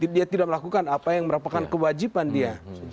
dia tidak melakukan apa yang merupakan kewajiban dia